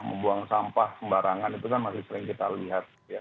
membuang sampah sembarangan itu kan masih sering kita lihat